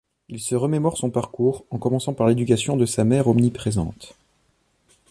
Il se remémore son parcours, en commençant par l'éducation de sa mère omniprésente.